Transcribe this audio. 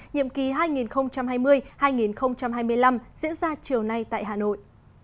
nhiệm kỳ hai nghìn hai mươi hai nghìn hai mươi năm diễn ra chiều nay tại hà nội